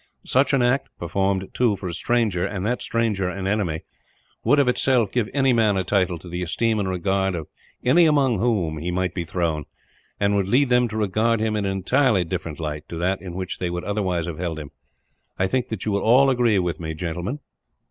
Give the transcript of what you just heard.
Such an act performed, too, for a stranger, and that stranger an enemy would, of itself, give any man a title to the esteem and regard of any among whom he might be thrown, and would lead them to regard him in an entirely different light to that in which they would otherwise have held him. "I think that you will all agree with me, gentlemen."